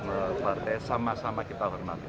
mekanisme partai sama sama kita menghormati